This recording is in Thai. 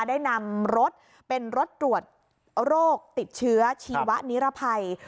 ได้นำรถเป็นรถตรวจโรคติดเชื้อชีวะนิรภัย